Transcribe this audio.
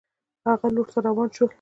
هغه لور ته روان شول.